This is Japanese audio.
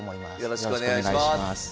よろしくお願いします。